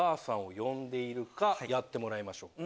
やってもらいましょう。